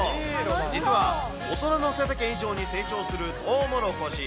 実は大人の背丈以上に成長するとうもろこし。